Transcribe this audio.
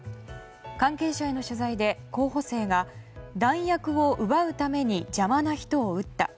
関係者への取材で、候補生が弾薬を奪うために邪魔な人を撃った。